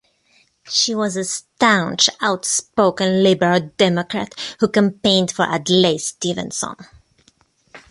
She was a staunch outspoken liberal Democrat who campaigned for Adlai Stevenson.